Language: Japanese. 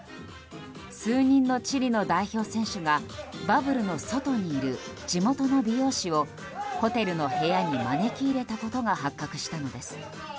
数人のチリの代表選手がバブルの外にいる地元の美容師をホテルの部屋に招き入れたことが発覚したのです。